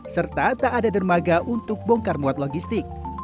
serta tak ada dermaga untuk bongkar muat logistik